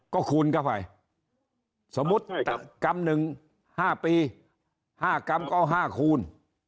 ก็คูณเข้าไปสมมุติกรัมหนึ่ง๕ปี๕กรัมก็เอา๕คูณ